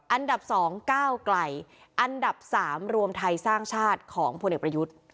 อันดับ๒ก้าวไกลอันดับ๓รวมไทยสร้างชาติของพลเอกประยุทธ์